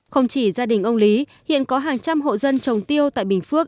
không chỉ gia đình ông lý hiện có hàng trăm hộ dân trồng tiêu tại bình phước